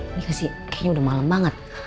ini kasih kayaknya udah malem banget